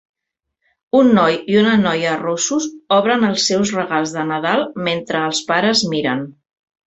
Un noi i una noia rossos obren els seus regals de Nadal mentre els pares miren